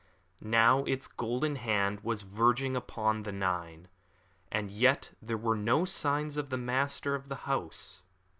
Now its golden hand was verging upon the nine, and yet there were no signs of the master of the house.